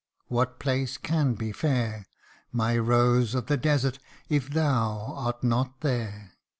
what place can be fair, My Rose of the Desert, if thou art not there